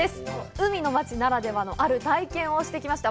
海の町ならではのある体験をしてきました。